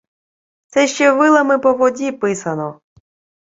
Це ще вилами по воді писано.